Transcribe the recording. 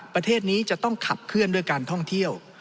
ประเทศนี้จะต้องขับเคลื่อนด้วยการท่องเที่ยว